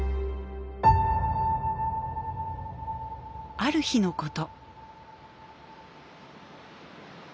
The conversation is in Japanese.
ある日のこと。